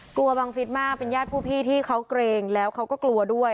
บังฟิศมากเป็นญาติผู้พี่ที่เขาเกรงแล้วเขาก็กลัวด้วย